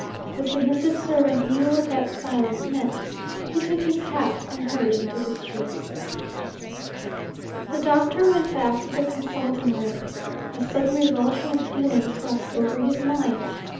The submissive servant knew what that silence meant he took his hat and hurried into the street. The Doctor went back to the consulting room. A sudden revulsion of feeling swept over his mind.